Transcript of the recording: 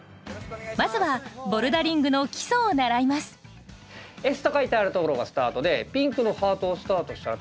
まずはボルダリングの基礎を習います「Ｓ」と書いてあるところがスタートでピンクのハートをスタートしたらピンクのハートですね